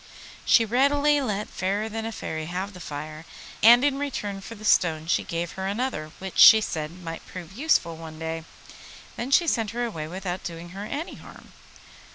She readily let Fairer than a Fairy have the fire, and in return for the stone she gave her another, which, she said, might prove useful some day. Then she sent her away without doing her any harm.